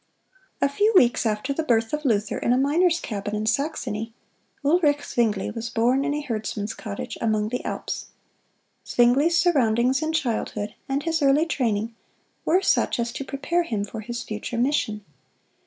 A few weeks after the birth of Luther in a miner's cabin in Saxony, Ulric Zwingle was born in a herdsman's cottage among the Alps. Zwingle's surroundings in childhood, and his early training, were such as to prepare him for his future mission.